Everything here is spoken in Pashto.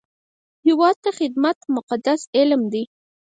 هیواد ته خدمت مقدس عمل دی